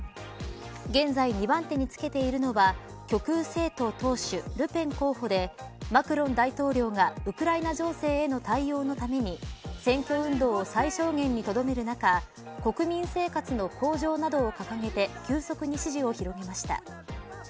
現在、２番手につけているのは極右政党党首ルペン候補でマクロン大統領がウクライナ情勢への対応のために選挙運動を最小限にとどめる中国民生活の向上などを掲げて急速に支持を広げました。